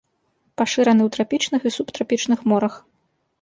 Пашыраны ў трапічных і субтрапічных морах.